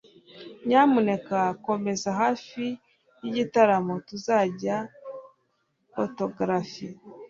nyamuneka komeza hafi yigitaramo. tuzasinya autographs